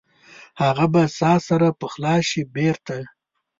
هغه به ساه سره پخلا شي بیرته؟